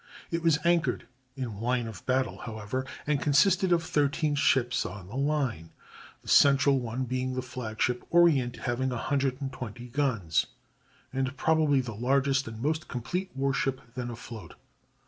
It was anchored in line of battle, however, and consisted of thirteen ships of the line, the central one being the flagship Orient, having 120 guns, and probably the largest and most complete war ship then afloat.